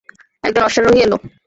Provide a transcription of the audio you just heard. একজন অশ্বারোহী এল।